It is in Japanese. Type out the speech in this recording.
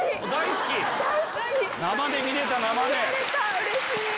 うれしい！